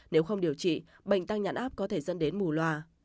nếu không điều trị bệnh tăng nhãn áp có thể dẫn đến mù loà